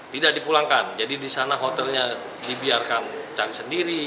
tidak dipulangkan jadi di sana hotelnya dibiarkan cang sendiri